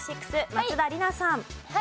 松田里奈さん。